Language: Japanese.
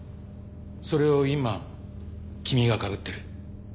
それを今君がかぶってる。